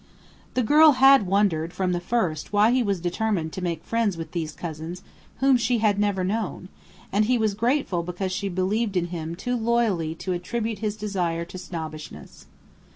The girl had wondered from the first why he was determined to make friends with these cousins whom she had never known, and he was grateful because she believed in him too loyally to attribute his desire to "snobbishness."